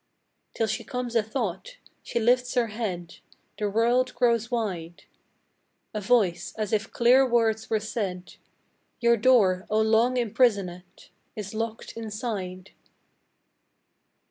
Till she comes a thought! She lifts her head, The world grows wide! A voice as if clear words were said "Your door, O long imprisonéd, Is locked inside!"